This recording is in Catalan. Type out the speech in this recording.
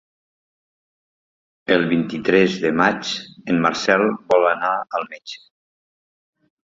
El vint-i-tres de maig en Marcel vol anar al metge.